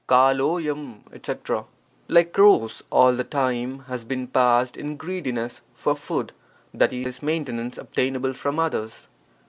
<*idl5^f etc. — Like crows, all the time has been passed in greediness for food, i.e., maintenance obtainable from others.